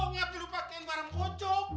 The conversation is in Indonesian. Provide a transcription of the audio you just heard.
ngapain lu pakein bareng kocok